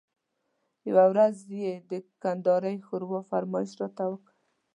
یوه ورځ یې د کندارۍ ښوروا فرمایش راته وکړ.